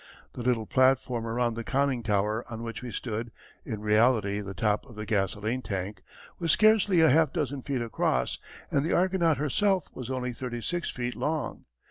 The little platform around the conning tower on which we stood in reality the top of the gasoline tank was scarcely a half dozen feet across, and the Argonaut herself was only thirty six feet long.